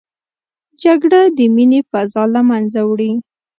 جګړه د مینې فضا له منځه وړي